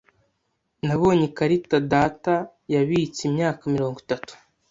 Nabonye ikarita data yabitse imyaka mirongo itatu.